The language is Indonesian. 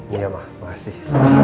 iya mbak makasih